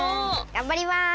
がんばります！